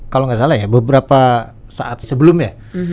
kalau nggak salah ya beberapa saat sebelumnya